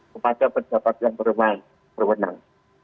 kepada pejabat yang berwenang